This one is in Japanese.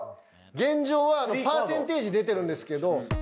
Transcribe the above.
現状はパーセンテージ出てるんですけど。